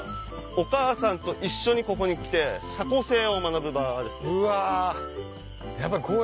お母さんと一緒にここに来て社交性を学ぶ場ですね。